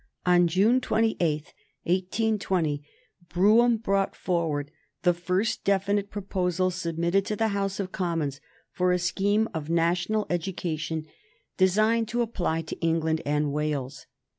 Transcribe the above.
On June 28, 1820, Brougham brought forward the first definite proposal submitted to the House of Commons for a scheme of national education designed to apply to England and Wales.